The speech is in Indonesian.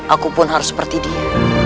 aku pun harus seperti dia